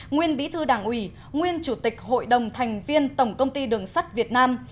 nguyên bí thư đảng ủy nguyên chủ tịch hội đồng thành viên tổng công ty đường sắt việt nam